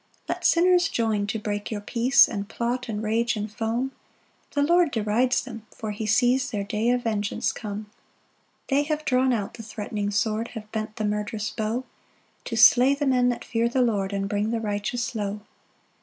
8 Let sinners join to break your peace, And plot, and rage, and foam; The Lord derides them, for he sees Their day of vengeance come. 9 They have drawn out the threatening sword, Have bent the murderous bow, To slay the men that fear the Lord, And bring the righteous low.